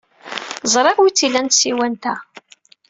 Ẓriɣ wi tt-ilan tsiwant-a.